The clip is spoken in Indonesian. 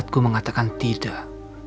firasatku mengatakan tidak